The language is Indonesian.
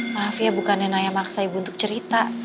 maaf ya bukannya naya maksa ibu untuk cerita